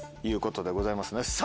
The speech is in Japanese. いうことでございますね。